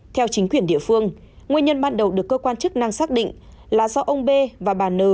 theo chính quyền địa phương nguyên nhân ban đầu được cơ quan chức năng xác định là do ông b và bà n